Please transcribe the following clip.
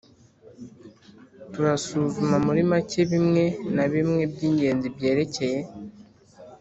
turasuzuma muri make bimwe na bimwe by'ingenzi byerekeye